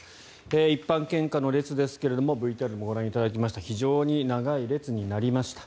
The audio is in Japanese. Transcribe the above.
一般献花の列ですがＶＴＲでもご覧いただきました非常に長い列になりました。